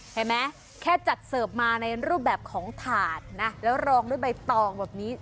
เห็นไหมแค่จัดเสิร์ฟมาในรูปแบบของถาดนะแล้วรองด้วยใบตองแบบนี้